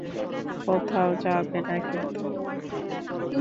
কোথাও যাবে না কিন্তু।